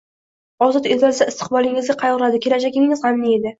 Ozod etilsa, istiqbolingizga qayg’uradi, kelajagingiz g’amini yeydi.